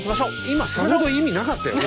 今さほど意味なかったよね